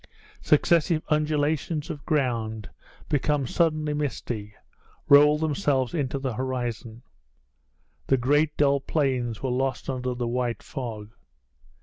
Successive undulations of ground, become suddenly misty, rolled themselves into the horizon. The great dull plains were lost under the white fog.